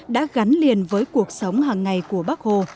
đã gắn liền với cuộc sống hàng ngày của bác hồ